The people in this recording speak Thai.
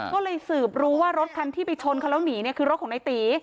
ก็เลยสืบรู้ว่ารถคันที่ไปชนเขาแล้วหนีเนี่ยคือรถของนายตี